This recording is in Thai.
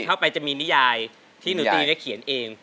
เข้าไปจะมีนิยายที่หนูตีและเขียนเอง